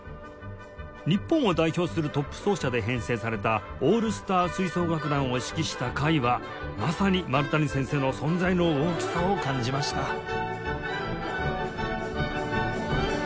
日本を代表するトップ奏者で編成されたオールスター吹奏楽団を指揮した回はまさに丸谷先生の存在の大きさを感じました